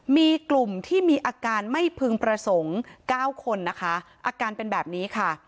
มีกลุ่มที่มีอาการไม่พึงประสงค์๙คนนะคะอาการเป็นแบบนี้ค่ะ